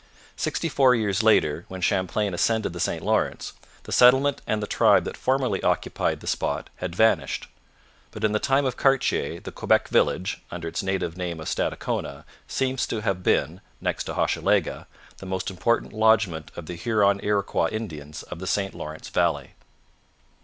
Sixty four years later, when Champlain ascended the St Lawrence, the settlement and the tribe that formerly occupied the spot had vanished. But in the time of Cartier the Quebec village, under its native name of Stadacona, seems to have been, next to Hochelaga, the most important lodgment of the Huron Iroquois Indians of the St Lawrence valley.